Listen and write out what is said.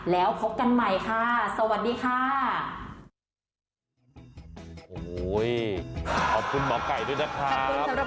แล้วพบกันใหม่ค่ะสวัสดีค่ะ